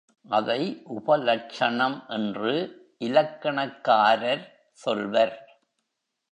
அதை உபலட்சணம் என்று இலக்கணக்காரர் சொல்வர்.